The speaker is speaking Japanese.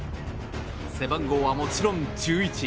背番号はもちろん、１１。